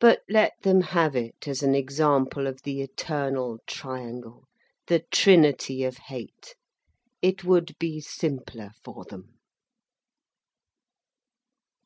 But let them have it as an example of the eternal triangle, the trinity of hate. It would be simpler for them.